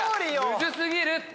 むず過ぎるって。